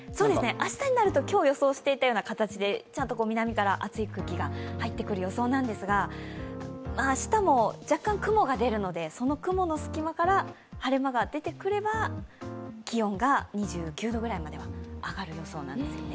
明日になると、今日予想していたような形で、ちゃんと南から暑い空気が入ってくる予想なんですが、明日も若干、雲が出るので雲の隙間から晴れ間が出てくれば、気温が２９度ぐらいまでは上がる予想なんですよね。